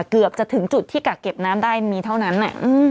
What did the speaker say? เกือบจะถึงจุดที่กักเก็บน้ำได้มีเท่านั้น